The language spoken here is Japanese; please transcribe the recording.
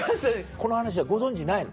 この話はご存じないの？